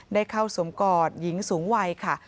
ได้เข้าสวมกอดหญิงสูงวัยค่ะ